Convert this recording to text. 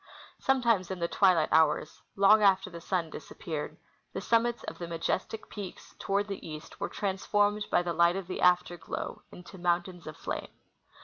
Some times in the twilight hours, long after the sun disappeared, the summits of the majestic peaks toward the east were transformed by the light of the after glow into mountains of flame.